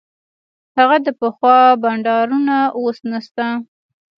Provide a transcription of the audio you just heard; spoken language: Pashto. هغه د پخوا بانډارونه اوس نسته.